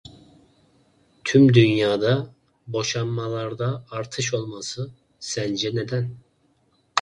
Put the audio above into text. Tüm dünyada boşanmalarda artış olması sence neden?